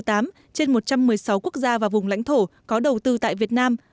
trên một trăm một mươi sáu quốc gia và vùng lãnh thổ có đầu tư tại việt nam